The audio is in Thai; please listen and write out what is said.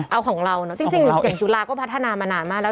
เอาของเราเนอะจริงอย่างจุฬาก็พัฒนามานานมากแล้ว